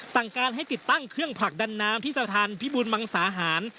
สั่งการให้ติดตั้งเครื่องผลักดันน้ำที่สถานพิบูรมังสาหาร